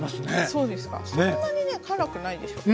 そんなにね辛くないでしょ？